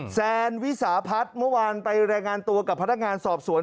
แซนวิสาพัฒน์เมื่อวานไปรายงานตัวกับพนักงานสอบสวน